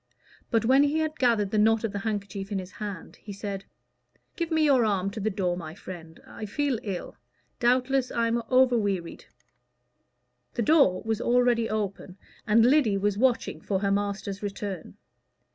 But when he had gathered the knot of the handkerchief in his hand he said "Give me your arm to the door, my friend. I feel ill. Doubtless I am over wearied." The door was already open, and Lyddy was watching for her master's return.